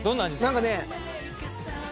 何かね。